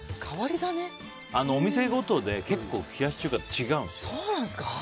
お店ごとで結構、冷やし中華って違うんですよ。